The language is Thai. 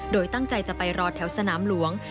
โดยตั้งใจจะไปรอแถวสนามหลวง